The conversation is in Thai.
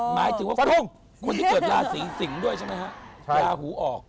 อ๋อปรับคุณค่ะคุณก็เคยเดินราศิสิ่งด้วยใช่ไหมครับราหูออก